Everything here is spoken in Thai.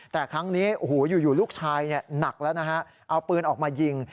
แต่ครั้งนี้โอ้โหอยู่ลูกชายหนักแล้วนะฮะเอาปืนออกมายิง